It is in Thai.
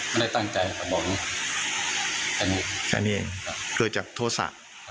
ไม่ได้ตั้งใจแต่จะบอกว่าแค่นี้แค่นี้แหละเเกิดจากทศสะ